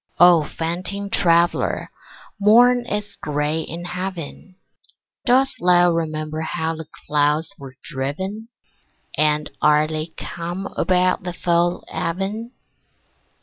O fainting traveller, morn is gray in heaven. Dost thou remember how the clouds were driven? And are they calm about the fall of even?